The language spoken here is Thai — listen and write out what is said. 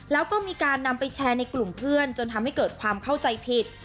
แล้วก็มีการนำไปแชร์ในกลุ่มเพื่อนจนทำให้เกิดความเข้าใจผิด